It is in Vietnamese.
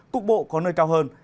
cục bộ có nơi cao hơn